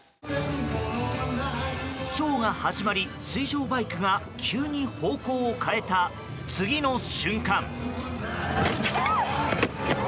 ショーが始まり水上バイクが急に方向を変えた次の瞬間。